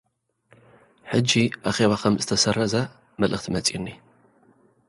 ሕጂ፡ ኣኼባ ከም ዝተሰረዘ መልእኽቲ መጺኡኒ።